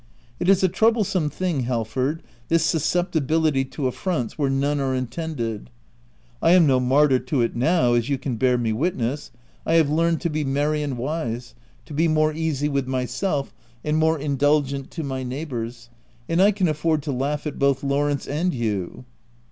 It is a troublesome thing Halford, this susceptibility to affronts where none are intended. I am no martyr to it now, as you can bear me witness : I have learned to be merry and wise, to be more easy with myself OF WILDFELL HALL 265 and more indulgent to my neighbours, and I can afford to laugh at both Lawrence and you.